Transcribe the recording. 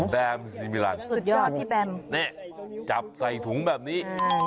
แมมซีมิลันสุดยอดพี่แบมนี่จับใส่ถุงแบบนี้